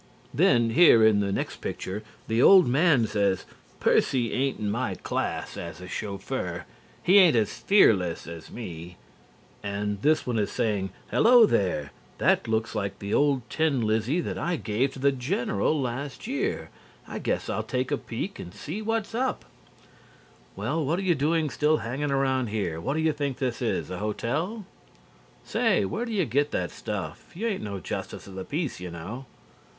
Then here in the next picture the old man says: Percy ain't in my class as a chauffeur, he ain't as fearless as me' and this one is saying 'Hello there, that looks like the old tin Lizzie that I gave to the General last year I guess I'll take a peek and see what's up' 'Well what are you doing hanging around here, what do you think this is a hotel?' 'Say where do you get that stuff you ain't no justice of the peace you know' 'Wow!